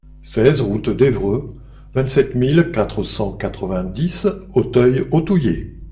seize route d'Evreux, vingt-sept mille quatre cent quatre-vingt-dix Autheuil-Authouillet